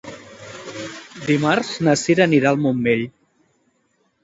Dimarts na Cira anirà al Montmell.